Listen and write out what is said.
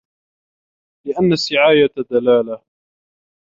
لِأَنَّ السِّعَايَةَ دَلَالَةٌ